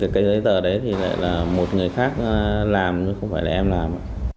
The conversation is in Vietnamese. cái giấy tờ đấy thì lại là một người khác làm chứ không phải là em làm